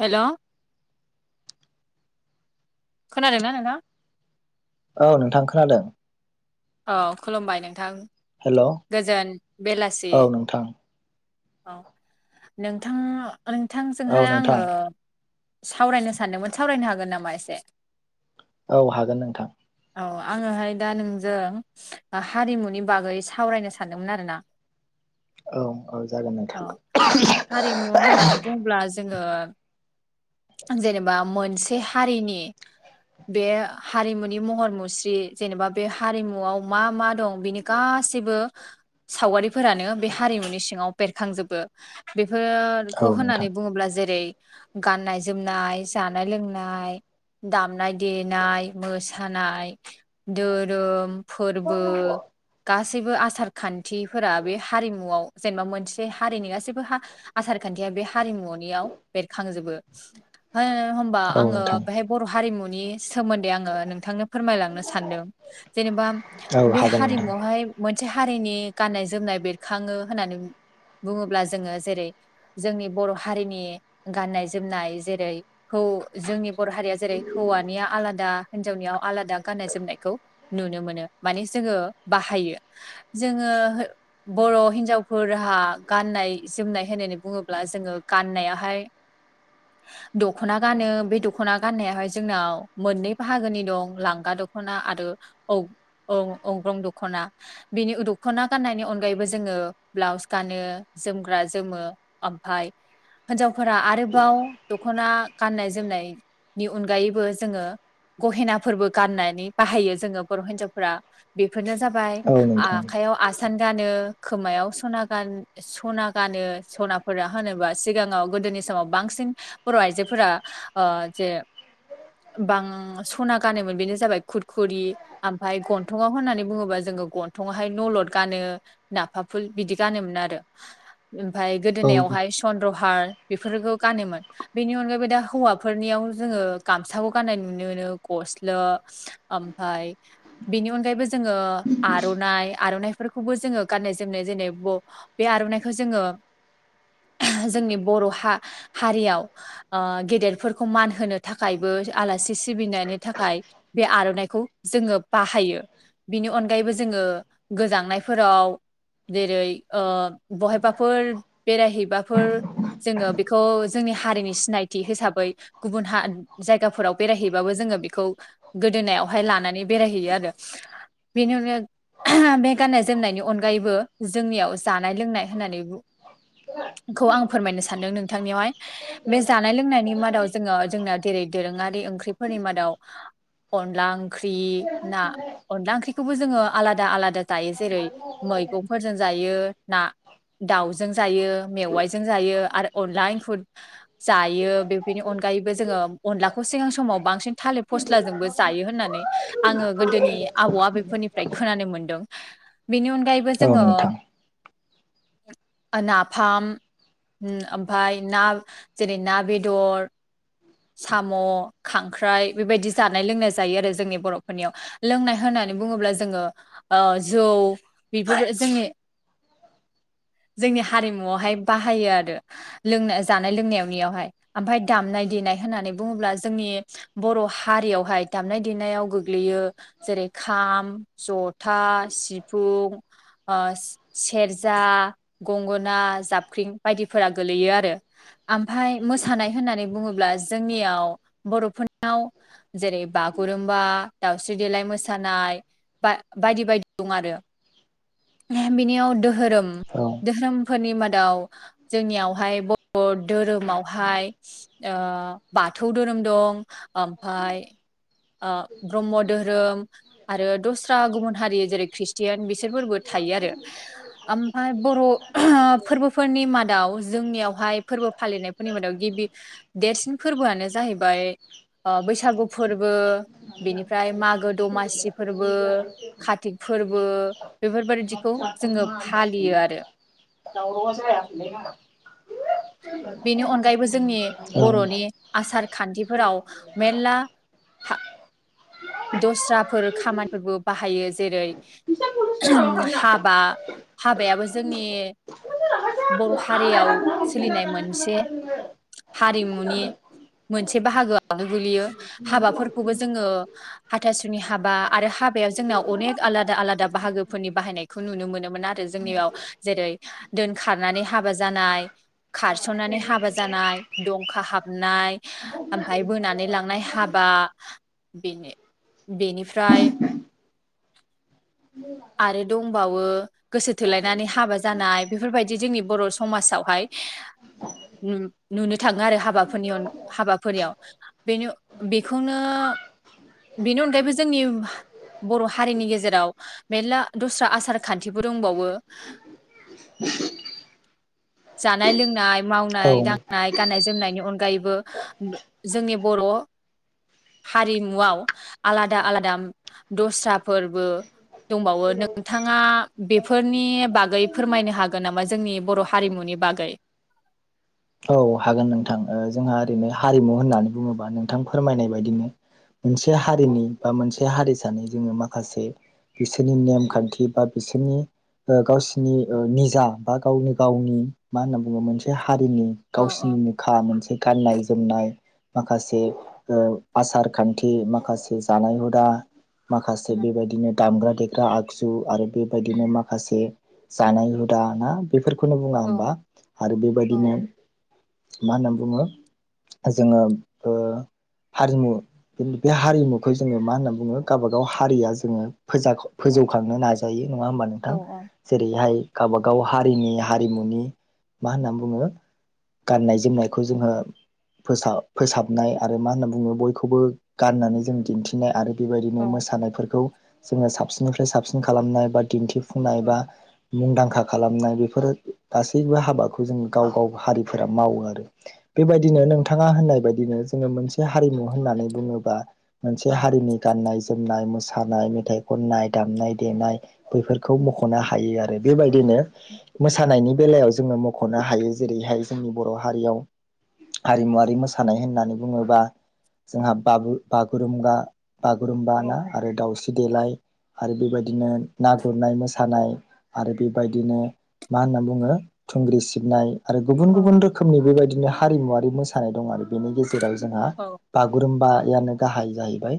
Hello. खोनादोंना नोथां। औ नोंथां खोनादों। औ खुलुमबाय नोंथां। हेल' गोजोन बेलासि। औ नोंथां औ नोंथां औ नोंथांजोंहाय आङो। नोंथां सावरायनो सानदोंमोन सावरायनो हागोन नामा एसे। औ हागोन नोंथां। औ आङोहाय दा नोंजों हारिमुनि बागै स सावरायनो सानदोंमोन आरोना। औ औ जागोन औ नथां। हारिमु होननानै बुङोब्ला जोङो जेनेबा मोनसे हारिनि बे हारिमुनि महर मुस्रि जेनेबा बे हारिमुआव मा मा दं बेनि गासैब सैबो सावगारिफोरानो बे हारिमुनि सिङाव बेरखांजोबो बेख औ फोरखौ नोंथां होननानै बुङोब्ला जेरै गाननाय जोमनाय जानाय लोंनाय। दामनाय देनाय मोसानाय। धोरोम फोरबो गास सैबो आसार खान्थिफोरा बे हारिमुआव जेनबा मोनसे हारिनि गाससिब बो हा आसार खान्थिया बे हारिमुनियाव बेरखांजोबो। हो होमबा औ आङो नोंथां बेहाय बर' हारिमुन सोमोन्दै आङो नोंथांनो फोरमायलांनो सानदों जेनेबा औ बे हागोन नोंथां हारिमुवहाय से हारिनि गाननाय जोमनाय बेरखाङो होननानै बुङोब्ला जोङो जेरै जोंनि बर' हारिनि गान्नाय जोमनाय जेरै खौ उ जोंनि बर' हारिया जेरै हौवानिया आलादा- हिन्जावनियाव आलादा गाननाय जोमनायखौ नुनो मोनो माने जोङो बाहायो। जोङो बर' हिनजावफोरहा गाननाय जोमनाय होननानै बुङोब्ला जोङो गाननायाहाय। दख'ना गानो बे दख'ना गाननायाहाय जोंनाव मोननै बाहागोनि दं लांगा द दख'ना आरो औ औ औग्रं दख'ना। बिनि उदख'ना गाननायनि अनगायैबो जोङो ब्लाउस गानो जोमग्रा जोमो ओम फाय हिनजावफोरा आरोबाव दख'ना गाननाय जोमनाय नि अनगायैबो जोङो। गहेनाफोरबो गाननायनै बाहायो जोङो बर' हिन्जावफोरा बेफोरनो जाबा औ नोंथां आखायाव आस सान गानो खोमायाव सना गान सना गानो सनाफोरा होनोबा सिगाङाव गोद दोनि समाव बांसिन बर' आइजोफोरा ओ जे बां सना गानोमोन बेनो जाबाय खुरखुरि ओमफाय गन्थंङाव होननानै बुङोबा जोङो ग गन्थंहाय नलद गानो नाफा फुल बिदि गानोमोन आरो। ओमफय औ गोदोनायावहाय चन्द्रहार बेफोरखौ गानोमोन बेनि अनगायैबो दा हौवाफोरनियाव जोंङो गामसाखौ गाननाय नुनो मोनो ग स्ला ओमफाय बेनि अनगायैबो जोङो आर'नाइ आर'नाइफोरखौबो जोङो गाननाय जोमनाय जेनै बे आर'नाइखौ जोङो [inaudible] जोंनि बर' हा हारियाव गेदेरफोरखौ मान होनो थाखायबो आलासि सिबिनायनि थाखाय बे आर'नाइखौ जोङो बाहायो बिनि अन गायैबो जोङो गोजांनायफोराव जेरै ओ बहायबाफोर बेरायहैबाफोर जोङो बेखौ जोंनि हारिनि सिनायथि हिसाबै गुबुन हा जायगाफोराव बेरायहैबाबो जों जोङो बेखौ गोदोनायावहाय लानानै बेरायहैयो आरो बेनि अनगायै बे गाननाय जोमनायनि अनगायैबो जोंनियाव जानाय लोंनाय होननानै खौ आं फोरमायनो सानदों नोंथांनियावहाय बे जानाय लोंनायनि मादाव जोङो जोंना जेरै दोरोङारि ओंख्रिफोरनि मादाव अनला ओंख्रि ना अनला ओंख्रि खौबो जोङो आलादा आलादा जायो जेरै मैगंफोरजों जायो ना। दाउजों जायो मेवाइजों जायो आरो अनला एंखुर जायो बेफोरनि अन गायैबो जोङो अनलाखौ सिगां समाव बांसिन थालि फस्लाजोंबो जायो होननानै आंङो गोदोनि आबौ आबैफोरनिफ्राय खोनानो मोनदों। बेनि अनगायैबो जोङो नोंथां नाफाम उम ओमफाय ना जेरै ना बेदर साम' खांख्राइ बेबायदि जानाय लोंनाय जायो आरो जोंनि बर'फोरनियाव लोंनाय होनानै। बुङोब्ला जोङो जौ बेफोरो जोंनि जोंनि हारिमुआवहाय बाहायो आरो लोंनाय जानाय लोंनायावनियावहाय ओमफाय दामनाय दे नाय होननानै बुङोब्ला जोंनि बर' हारियावहाय दामनाय देनायाव गोग्लैयो जेरै खाम जथा सिफुं ओ से सेरजा गंगना जाबख्रिं बायदिफोरा गोलैयो आरो ओमफाय मोसानाय होननानै बुङोब्ला जोंनियाव बर'फोरनाव जेरै बागुरुमबा दाउस्रि देलाइ मोसा सानाय बा बायदि बायदि दं आरो बिनियाव दोहोरोम दोहोरोम फोरनि मादाव जोंनियावहाय बर' धोरोमावहाय ओ बा बाथौ धोरोम दं ओमफाय ओ ब्रह्म धोरोम। आरो दस्रा गुबुन हारि जेरै खृष्टियान बिसोरफोरबो थायो आरो ओमफाय। बर' फोरबोफोरनि मादाव जोंनियावहाय फोरबो फालिनायफोरनि मादाव गिबि दे सिन फोरबोआनो जाहैबाय ओ बैसागु फोरबो बिनिफ्राय मागो। दमासि फोरबो कातिक फोरबो बेफोरबायदिखौ जोङो फालियो आरो। दावरावआ जायाखैलै बेनि अनगायैबो जोंनि बर'नि आसार खान्थिफोराव मेरला फा दस्राफोर खामानिबो बाहायो जेरै हाबा हाबायाबो जोंनि बर' हारियाव सोलिनाय मोन [inaudible] हारिमुनि मोनसे बाहागोआव गोलैयो हाबाफोरखौबो जोङो हाथासुनि हाबा आरो हा हाबायाव जोंनाव अनेक आलादा आलादा बाहागोफोरनि बाहायनायखौ नुनो मोनोमोन आरो जोंनियाव जेरै दोनखारनानै हाबा जानाय खार सननानै हाबा जानाय दंखा हाबनाय ओमफाय बोनानै लांनाय हाबा बेनो बेनिफ्राय आरो दंबावो गोसो थोलायनानै हाबा जानाय बेफोरबायदि जोंनि बर' समाजावहाय। [inaudible] नुनो थाङो आरो हाबाफोरनि हाबाफारियाव बेनो बेखौनो। बेनि अनगायैबो जोंनि बर' हारिनि गेजेराव मेरला दस्रा आसार खान्थिबो दंबावो। [inaudible] जानाय लोंनाय। औ मावनाय दांनाय गाननाय जोमनायनि अनगायैबो जोंनि बर' हारिमुआव आलादा आलादा दस्रा फोरबो। दंबावो नोंथाङा बेफोरनि बागै फोरमायनो हागोन नामा जोंनि बर' हारिमुनि। नि बागै औ हागोन नोंथां जोंहा ओरैनो हारिमु होननानै बुङोबा नोंथां फोरमायनाय बायदिनो। मोनसे हारिनि बा मोनसे हारिसानि जोङो माखासे बिसोरनि नेमखान्थि बा बिसोरनि गावसिनि निजा बा गावनि गावनि मा होनना बुङो मोनसे हारिनि औ गावसिनिखा मोनसे गाननाय जोमनाय। माखासे आसार खान्थि माखासे जानाय हुदा माखासे उम बेबायदिनो दामग्रा देग्रा आगजु आरो बेबायदिनो उम माखासे जानाय हुदा ना बेफोरखौनो बुङा औ होमबा आरो औ बेबायदिनो। मा होनना बुङो जोङो। हारिमु बे हारिमुखौ जोङो मा होनना बुङो गावबा गाव हारिया जोङो फोजा जौखांनो नाजायो नङा होमबा नोंथां औ जेरैहाय गावबा गाव हारिनि हारिमुनि मा होननानै बुङो। गाननाय जोमनायखौ जोङो। फोसाबनाय आरो मा होनना बुङो बयखौबो गाननानै जों दिन्थिनाय आरो। बेबायदिनो औ मोसानायफोरखौ जोङो साबसिननिफ्राय साबसिन खालामनाय बा दिन्थिफुंनाय औ बा मुंदांखा खालामनाय बेफोरो गासैबो हाबाखौ जों गाव गाव हारि। मावो आरो बेबायदिनो नोंथाङा होननाय बायदिनो जोङो मोनसे हारिमु होननानै बुङोबा। मोनसे ओ हारिनि गाननाय जोमनाय मोसा मोसानाय मेथाइ खननाय दामनाय देनाय बैफोरखौ मख'नो हायो आरो बेबायदिनो। मोसानायनि बेलायाव जोङो मखनो हायो जेरैहाय जोंनि बर' हारियाव हारिमुवारि मोसानाय होननानै बुङोबा जोंहा बागुरुम बा। औ बागुरुम्बा ना आरो दाउस्रि देलाय। आरो बेबायदिनो ना गुरनाय मोसानाय आरो बेबायदिनो। मा होनना बुङो थुंग्रि सिबनाय आरो। गुबुन औ गुबुन रोखोमनि बेबायदिनो हारिमुवारि मोसानाय दं आरो बेनि गेजेराव जोंहा औ बागुरुम्बा यानो गाहाय जाहैबाय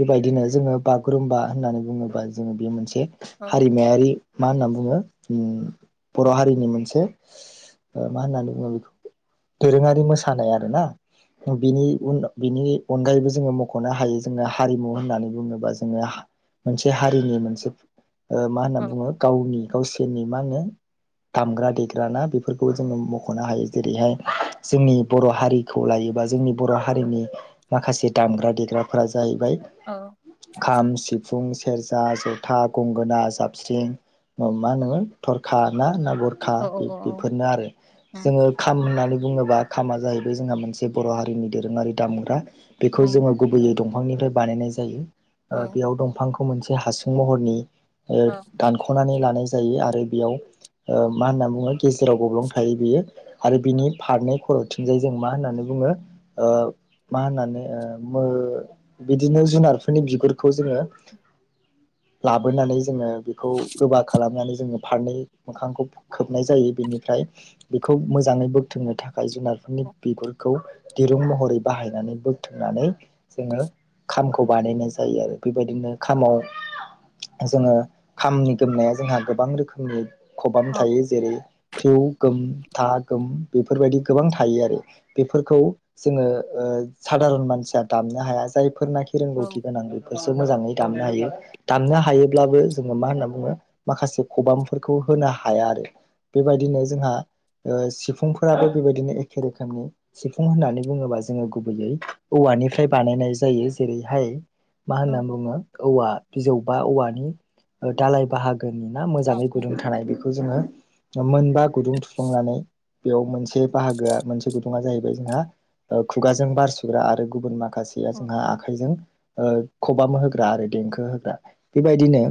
बेबायदिनो जोङो बागुरुम्बा होननानै बुङोबा जोङो बे मोनसे औ हारिमायारि मा होनना बुङो बर' हारिनि मोनसे मा होननानै बुङो बेखौ दोरोङारि मोसानाय आरोना। बिनि उन बिनि अनगायैबो जोङो मखनो हायो जोङो हारिमु होननानै बुङोबा जोङो। मोनसे हारिनि मोनसे। मा होनना बुङो गावनि गावसोरनि मा होनो दामग्रा देग्राना बेफोरखौ खौ जोङो मखनो हायो जेरैहाय जोंनि बर' हारिखौ लायोबा जोंनि बर' हारिनि माखासे दामग्रा देग्राफोरा जाहैबाय। औ खाम, सिफुं, सेरजा, जथा, गंगोना, जाबस्रिं मा होनो बा थरखा ना ना बरखा औ बेफोरनो आरो जोङो। होननानै बुङोबा खामा जाहैबाय जोंहा मोनसे बर' हारिनि दोरोङारि दामग्रा बेखौ औ जोङो गुबैयै। दंफांनिफ्राय बानायनाय जायो औ बेयाव दंफांखौ मोनसे हासुं महरनि दानखनानै लानाय जायो आरो बेयाव मा होनना बुङो। गेजेराव गब्लं थायो बेयो। आरो बिनि फारनै खर'थिंजाय जों मा होननानै बुङो मा होननानै बिदिनो जुनारफोरनि बिगुरखौ जोङो [inaudible] लाबोनानै जोङो बेखौ गोबा खालामनानै जोङो फारनै मोखांखौ खोबनाय जायो बेनिफ्राय बेखौ मोजाङै बोथोंनो थाखाय जुनारफोरनि औ बिगुरखौ दिरुं महरै बाहायनानै बोथुमनानै जोङो खामखौ बानायनाय जायो आरो बेबायदिनो खामाव जोङो खामनि गोमनाया जोंहा गोबां रोखोमनि खबाम थायो जेरै फेउ गोम था गोम बेफोरबायदि गोबां थायो आरो बेफोरखौ जोङो सादारन मानसिया दामनो हाया जायफोरनाखि रोंगौथि गोनां बेफोर मोजांयै दामनो हायो दामनो हायोब्लाबो जोङो मा होनना बुङो माखासे खबामफोरखौ होनो हाया आरो बेबायदिनो जोंहा सिफुंफोराबो बेबायदिनो एखे रोखोमनि सिफुं होननानै बुङोबा जोङो गुबैयै औवा निफ्राय बानायनाय जायो जेरैहाय मा होनना बुङो औवा बिजौ बा औवानि दालाय बाहागो नि ना मोजाङै गुदुं थानाय बेखौ जोङो मोनबा गुदुं थुफ्लुंनानै बेयाव मोनसे बाहागोआ मोनसे गुदुं जाहैबाय जोंहा खुगाजों बारसुग्रा आरो गुबुन माखासेया जोंहा आखाइजों खबाम होग्रा आरो देंखो होग्रा बेबायदिनो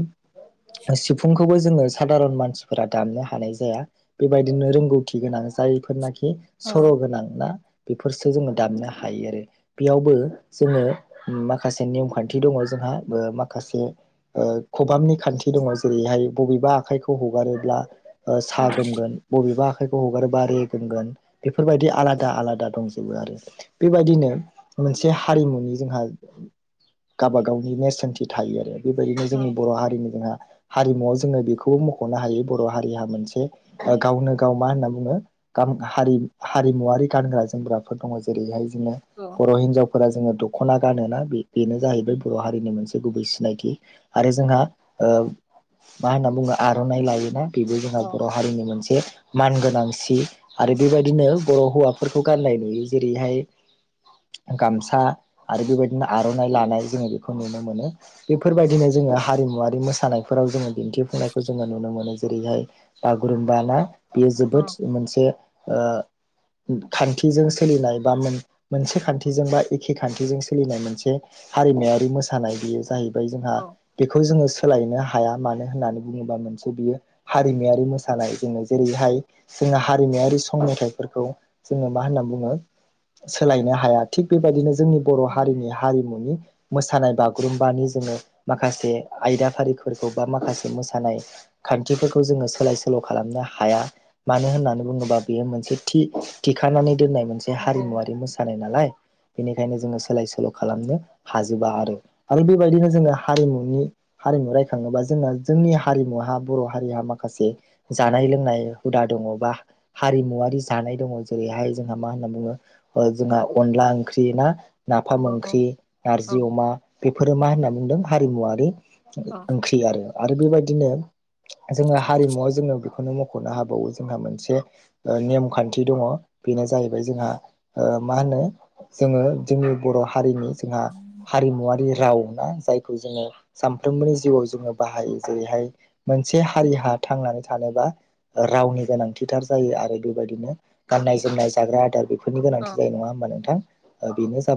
सिफुंखौबो जोङो सादारन मानसिफोरा दामनो हानाय जायो जाया बेबायदिनो रोंगौथि गोनां जायफोरनाखि सर' गोनां ना बेफोरसो जोङो दामनो हायो आरो बेयावबो जोङो माखासे नेमखान्थि दङ जों माखासे खबामनि खान्थि दङ जेरैहाय बबेबा आखाइखौ हगारोब्ला साहा गोमगोन बबेबा खौ हगारोबा रेगोंमगोन बेफोरबायदि आलादा आलादा दंजोबो आरो बेबायदिनो मोनसे हारिमुनि जोंहा गावबागावनि नेेरसोनथि थायो आरो बेबायदिनो जोंनि बर' हारिनि जोंहा हारिमुवआव जोङो बेखौबो मख'नो हायो बर' हारि मोनसे गावनो गाव मा होनना बुङो हारिमुवारि गानग्रा जोमग्रा फोर दङ जेरैहाय बिदिनो बर' हिनजावफोरा जोङो दख'ना गानोना बे बेनो जाहैबाय बर' हारिनि मोनसे गुबै सिनायथि आरो जोंहा मा होनना बुङो आर'नाइ लायोना बेबो औ जोंहा बर' हारिनि मोनसे मान गोनांसि आरो बेबायदिनो बर' हौवाफोरखौ गाननाय नुयो जेरैहाय गामसा आरो बेबायदिनो आर'नाइ लानाय जोङो बेखौ नुनो मोनो बेफोरबायदिनो जोङो हारिमुवारि मोसानायफोराव जोङो दिन्थिफुंनायखौ जोङो नुनो मोनो जे जेरैहाय बागुरुम्बाना बेयो जोबोद मोनसे खान्थिजों सोलिनाय बा मोन मोनसे खान्थिजों बा एखे खान्थिजों सोलिनाय मोनसे हारिमुवारि मोसानाय बियो जाहैबाय ओमफ्राय जोंहा बेखौ जोङो सोलायनो हाया मानो होननानै बुङोबा मोनसे बियो हारिमायारि मोसानाय जोङो जेरैहाय जोंना हारिमायारि सं मेथाइफोरखौ जोङो मा होनो बुङो सोलायनो हाया थिग बेबायदिनो जोंनि बर' हारिनि हारिमुनि मोसानाय बागुरुम्बानि जोङो माखासे आयदाफारिफोरखौ बा माखासे मोसानाय खान्थि फोरखौ जोङो सोलाय सोल' खालामनो हाया मानो होननानै बुङोबा बेयो मोनसे थिखानानै दोननाय मोनसे हारिमुवारि मोसानाय नालाय बेनिखायनो जोङो सोलाय सोल' खालामनो हाजोबा आरो आरो बेबायदिनो जोङो हारिमुनि हारिमु रायखाङोबा जोंङो जोंनि हारिमुहा बर' हारिहा माखासे जानाय लोंनाय हुदा दङ बा हारिमुवरारि जानाय दङ जेरै बेहाय जोंहा मा होनना बुङो जोंहा अनला ओंख्रि ना नाफाम ओंख्रि नारजि अमा बेफोरो मा होनना बुंदों हारिमुवरारि औ ओंख्रि आरो आरो बेबायदिनो जोङो हारिमुआव जोंनो बेखौनो मख'नो हाबावो जोंहा मोनसे नेमखान्थि दङ बेनो जाहैबाय जोंहा ओ मा होनो जोङो जोंनि बर' हारिनि जोंहा हारिमुवारि राव ना जायखौ जोङो सानफ्रोमबोनि जिउआव जोङो बाहायो जेरैहाय मोनसे हारिहा थांनानै थानोबा रावनि गोनांथिथार जायो आरो बेबायदिनो नाय जोमनाय जाग्रा आदार बेफोरनि गोनांथि औ जायो नङा हबा नोंथां ओ बेनो जा